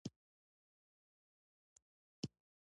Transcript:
زلمی پېغله یې پسوللي په ظفر وه